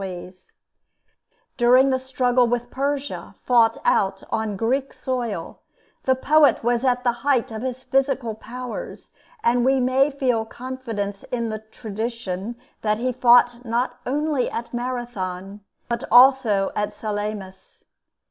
[Illustration: AESCHYLUS] During the struggle with Persia, fought out on Greek soil, the poet was at the height of his physical powers, and we may feel confidence in the tradition that he fought not only at Marathon, but also at Salamis.